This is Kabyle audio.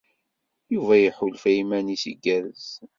Yuba iḥulfa i yiman-nnes igerrez.